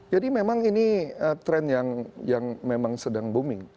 jadi memang ini trend yang memang sedang booming